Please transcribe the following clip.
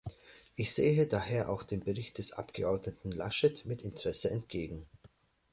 Ich sehe daher auch dem Bericht des Abgeordneten Laschet mit Interesse entgegen.